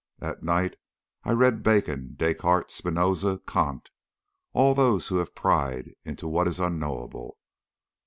At night I read Bacon, Descartes, Spinoza, Kant all those who have pried into what is unknowable.